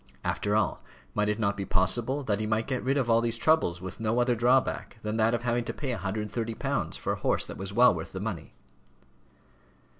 After all, might it not be possible that he might get rid of all these troubles with no other drawback than that of having to pay £130 for a horse that was well worth the money?